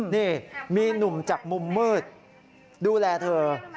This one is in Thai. นี่มีหนุ่มจากมุมมืดดูแลเธอ